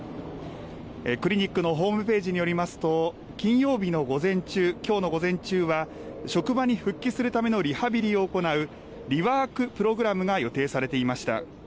クリニックのホームページによりますと、金曜日の午前中、きょうの午前中は、職場に復帰するためのリハビリを行うリワークプログラムが予定されていました。